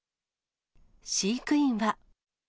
飼育員は。